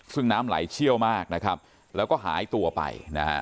ซึ่งน้ำไหลเชี่ยวมากแล้วก็หายตัวไป